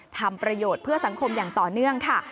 ทำประโยชน์เพื่อสังคมอย่างต่อเนื่องค่ะ